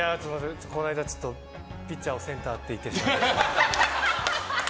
この間ちょっとピッチャーをセンターって言ってしまって。